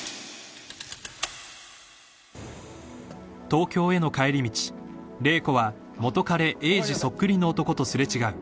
［東京への帰り道麗子は元カレ栄治そっくりの男とすれ違う］